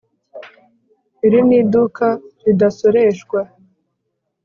iri ni iduka ridasoreshwa